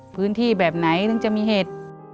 พื้นที่แบบไหนถึงจะมีเห็ด